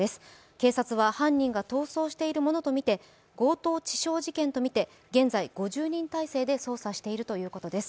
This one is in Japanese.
警察は犯人が逃走しているものとみて、強盗致傷事件とみて現在、５０人態勢で捜査しているということです。